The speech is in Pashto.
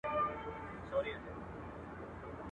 د رنځورو زګېروي ځي له ربابونو.